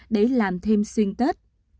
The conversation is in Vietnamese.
để làm thêm xuyên tết